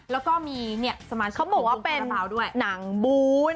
และมีสมาชิกนางบูห์